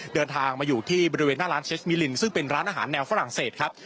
เดินทางมาอยู่ที่บริเวณหน้าร้านเชสมิลินซึ่งเป็นร้านอาหารแนวฝรั่งเศสครับ